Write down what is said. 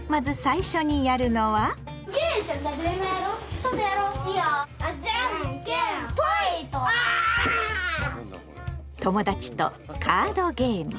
友達とカードゲーム。